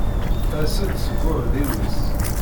Ters-d seg uɛudiw-is.